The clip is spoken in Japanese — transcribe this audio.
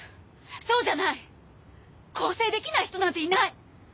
そうじゃない！更生できない人なんていない！